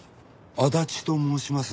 足立と申します。